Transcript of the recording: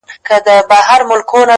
• سم پسرلى ترې جوړ سي ـ